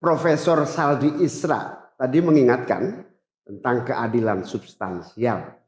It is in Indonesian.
prof saldi isra tadi mengingatkan tentang keadilan substansial